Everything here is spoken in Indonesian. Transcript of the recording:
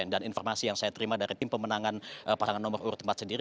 dan informasi yang saya terima dari tim pemenangan pasangan nomor urut empat sendiri